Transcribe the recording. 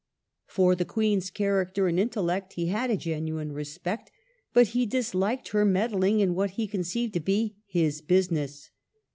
For the Queen's character and intellect he had a genuine respect, but he disliked her meddling in what he conceived to be his business.